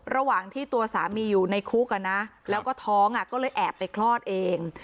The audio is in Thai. ระหว่างที่ตัวสามีอยู่ในคุกแล้วก็ท้องก็เลยแอบไปคลอดเอง